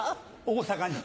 大阪に。